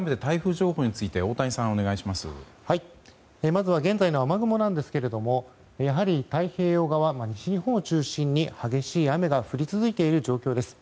まずは現在の雨雲なんですがやはり太平洋側、西日本を中心に激しい雨が降り続いている状況です。